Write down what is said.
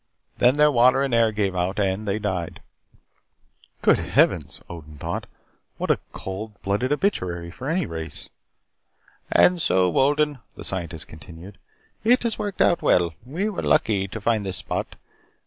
Then their water and air gave out and they died." Good heavens, Odin thought, what a cold blooded obituary for any race! "And so, Wolden," the Scientist continued, "it has worked out well. We were lucky to find this spot.